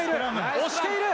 押している。